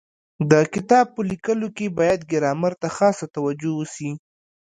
د کتاب په لیکلو کي باید ګرامر ته خاصه توجو وسي.